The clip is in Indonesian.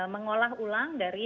mengolah ulang dari